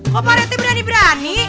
kok parete berani berani